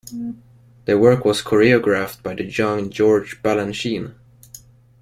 The work was choreographed by the young George Balanchine.